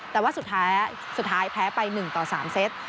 แต่ว่าสุดท้ายแพ้ไป๑ต่อ๓เซต